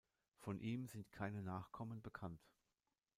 Von ihm sind keine Nachkommen bekannt.